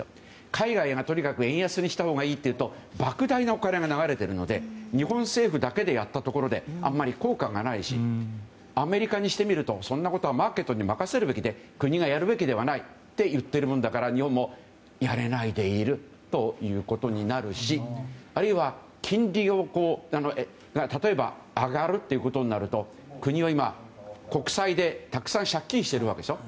海外がとにかく円安にしたほうがいいというと莫大なお金が流れているので日本政府だけでやったところであまり効果がないしアメリカにしてみるとそんなことはマーケットに任せるべきで国がやるべきではないと言っているもんだから日本もやれないでいるということになるしあるいは金利が例えば上がるってことになると国は今、国債でたくさん借金をしているわけでしょ。